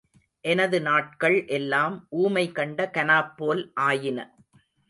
எனது நாட்கள் எல்லாம் ஊமை கண்ட கனாப்போல் ஆயின.